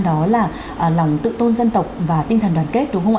đó là lòng tự tôn dân tộc và tinh thần đoàn kết đúng không ạ